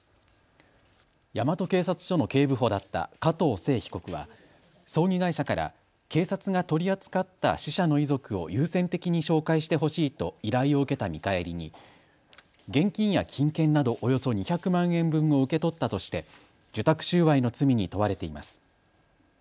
大和警察署の警部補だった加藤聖被告は葬儀会社から警察が取り扱った死者の遺族を優先的に紹介してほしいと依頼を受けた見返りに現金や金券などおよそ２００万円分を受け取ったとして受託収賄の罪に問われています。